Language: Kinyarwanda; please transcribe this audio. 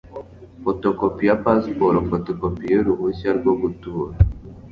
Fotokopi ya Pasiporo, Fotokopi y'uruhushya rwo gutura